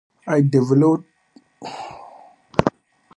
I developed my own style from basically taking from so many different styles.